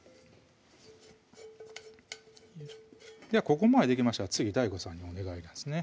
ここまでできましたら次ＤＡＩＧＯさんにお願いなんですね